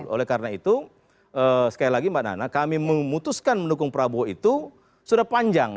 oleh karena itu sekali lagi mbak nana kami memutuskan mendukung prabowo itu sudah panjang